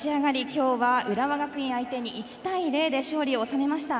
今日は浦和学院相手に１対０で勝利を収めました。